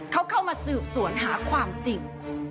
เขาเข้ามาสืบสวนหาความจริง